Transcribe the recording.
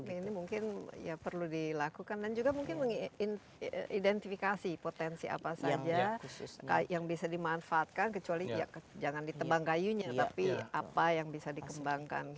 tapi ini mungkin ya perlu dilakukan dan juga mungkin mengidentifikasi potensi apa saja yang bisa dimanfaatkan kecuali jangan ditebang kayunya tapi apa yang bisa dikembangkan